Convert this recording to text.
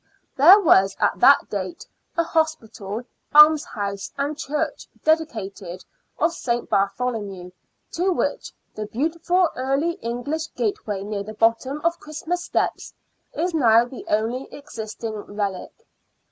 There was at that date a hospital, almshouse and church dedicated of St. Bartholomew, to which the beauti ful Early English gateway near the bottom of Christmas Steps is now the only existing relic.